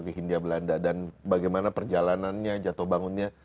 ke hindia belanda dan bagaimana perjalanannya jatuh bangunnya